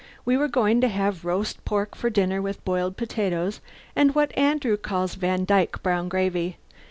We were going to have roast pork for dinner with boiled potatoes and what Andrew calls Vandyke brown gravy.